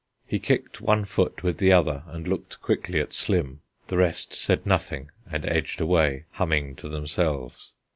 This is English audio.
He kicked one foot with the other and looked quickly at Slim. The rest said nothing and edged away, humming to themselves.